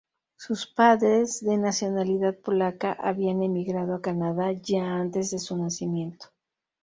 Sus padres, de nacionalidad polaca, habían emigrado a Canadá ya antes de su nacimiento.